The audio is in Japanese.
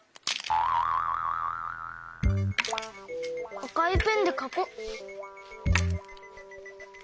あかいペンでかこう。